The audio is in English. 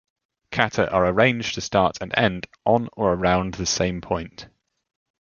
Kata are arranged to start and end on or around the same point.